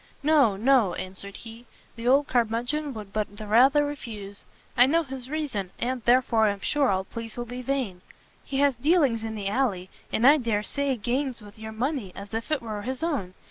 "No, no," answered he, "the old curmudgeon would but the rather refuse. I know his reason, and therefore am sure all pleas will be vain. He has dealings in the alley, and I dare say games with your money as if it were his own.